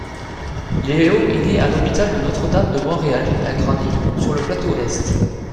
Léo est né à l'hôpital Notre-Dame de Montréal et a grandi sur le Plateau-Est.